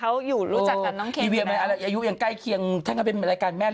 ป๊ายเห็นบุรทีเวียภาษาคล่ากันเลือกเหรอ